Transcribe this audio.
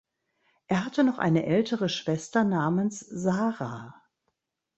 Er hatte noch eine ältere Schwester namens Sarah.